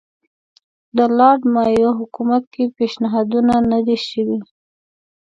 د لارډ مایو حکومت کې پېشنهادونه نه دي شوي.